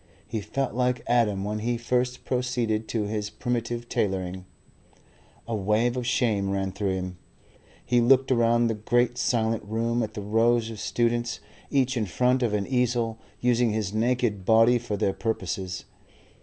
He felt like Adam when he first proceeded to his primitive tailoring. A wave of shame ran through him. He looked around the great silent room, at the rows of students, each in front of an easel, using his naked body for their purposes.